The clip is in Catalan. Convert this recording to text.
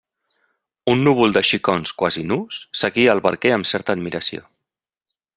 Un núvol de xicons quasi nus seguia el barquer amb certa admiració.